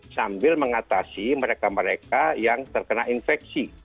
sambil mengatasi mereka mereka yang terkena infeksi